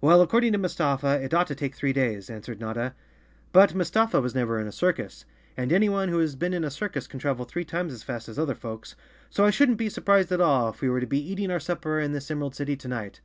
"Well, according to Mustafa, it ought to take three days," answered Notta. "But Mustafa was never in a circus, and anyone who has been in a circus can travel three times as fast as other folks, so I shouldn't be sur¬ prised at all if we were to be eating our supper in this Emerald City to night.